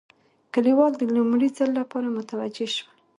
کلیوال د لومړي ځل لپاره متوجه شول.